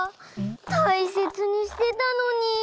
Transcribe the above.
たいせつにしてたのに。